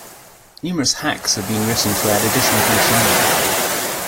Numerous "hacks" have been written to add additional functionality.